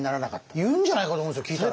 言うんじゃないかと思うんです聞いたら。